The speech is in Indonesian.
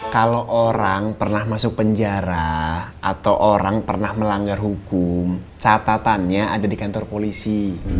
kalau orang pernah masuk penjara atau orang pernah melanggar hukum catatannya ada di kantor polisi